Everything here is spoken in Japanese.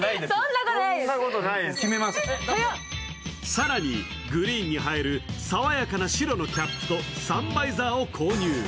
更に、グリーンに映える爽やかな白のキャップとサンバイザーを購入。